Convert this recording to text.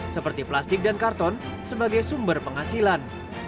seperti plastik dan karton sebagai sumber penghasilan